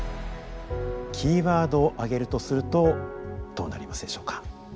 キーワードを挙げるとするとどうなりますでしょうか。